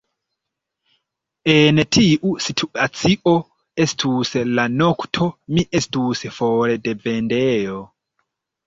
En tiu situacio, estus la nokto, mi estus for de vendejo.